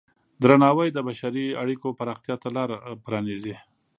درناوی د بشري اړیکو پراختیا ته لاره پرانیزي.